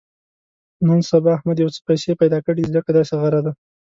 نن سبا احمد یو څه پیسې پیدا کړې دي، ځکه داسې غره دی.